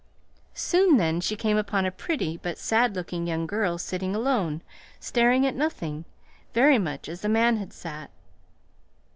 Soon then she came upon a pretty, but sad looking young girl sitting alone, staring at nothing, very much as the man had sat.